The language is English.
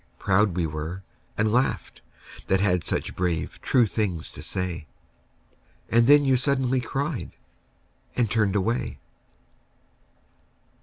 ... Proud we were, And laughed, that had such brave true things to say. And then you suddenly cried, and turned away.